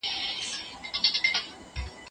دا کتاب باید په اصلي روسي ژبه ولوستل شي.